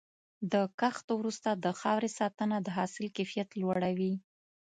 د کښت وروسته د خاورې ساتنه د حاصل کیفیت لوړوي.